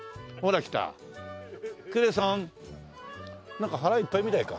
なんか腹いっぱいみたいか。